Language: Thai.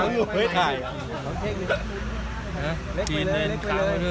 เล็กไปเลยเล็กไปเลย